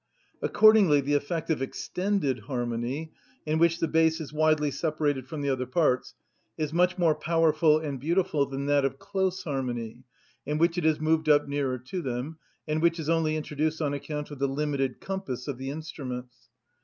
Accordingly the effect of extended harmony, in which the bass is widely separated from the other parts, is much more powerful and beautiful than that of close harmony, in which it is moved up nearer to them, and which is only introduced on account of the limited compass of the instruments.